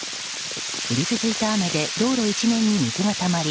降り続いた雨で道路一面に水がたまり